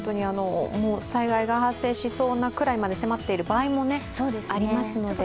災害が発生しそうなぐらいまで迫っている場合もありますので。